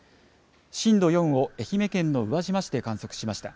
震度４を愛媛県の宇和島市で観測しました。